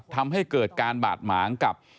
ทำให้เกิดการบาดหมางกับ